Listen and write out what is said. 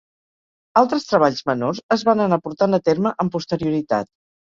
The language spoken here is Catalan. Altres treballs menors es van anar portant a terme amb posterioritat.